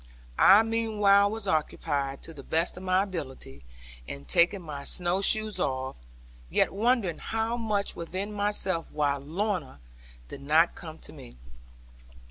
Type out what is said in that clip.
I meanwhile was occupied, to the best of my ability, in taking my snow shoes off, yet wondering much within myself why Lorna did not come to me.